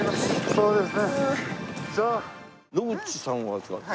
そうです。